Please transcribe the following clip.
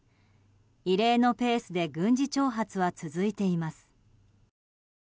異例のペースで軍事挑発は続いています。